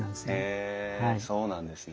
へえそうなんですね。